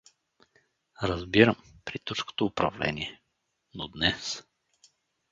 Разбирам, при турското управление… но днес?